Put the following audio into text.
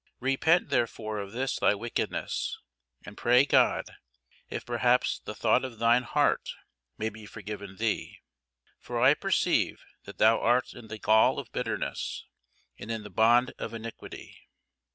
Repent therefore of this thy wickedness, and pray God, if perhaps the thought of thine heart may be forgiven thee. For I perceive that thou art in the gall of bitterness, and in the bond of iniquity.